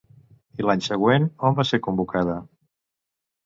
I l'any següent on va ser convocada?